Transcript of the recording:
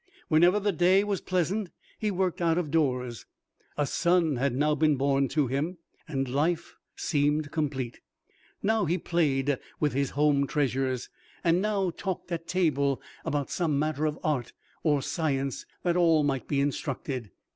Whenever the day was pleasant he worked out of doors. A son had now been born to him, and life seemed complete. Now he played with his home treasures, and now talked at table about some matter of art or science that all might be instructed.